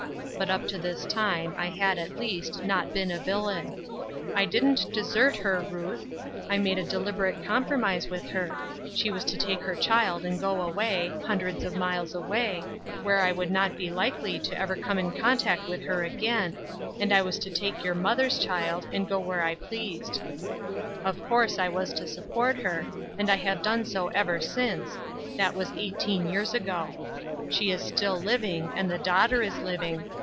But up to this time, I had at least, not been a villain. I didn't desert her, Ruth; I made a deliberate compromise with her; she was to take her child and go away, hundreds of miles away, where I would not be likely ever to come in contact with her again, and I was to take your mother's child and go where I pleased. Of course I was to support her, and I have done so ever since; that was eighteen years ago; she is still living, and the daughter is living.